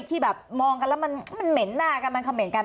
ที่แบบมองกันแล้วมันเหม็นหน้ากันมันคำเหน็